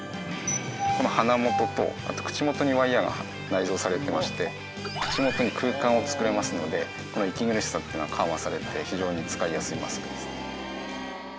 この鼻元とあと口元にワイヤーが内蔵されていまして口元に空間を作れますので息苦しさっていうのは緩和されて非常に使いやすいマスクですね。